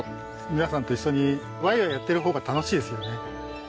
皆さんと一緒にワイワイやってる方が楽しいですよね。